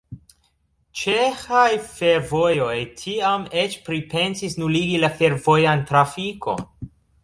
Ĉeĥaj Fervojoj tiam eĉ pripensis nuligi la fervojan trafikon.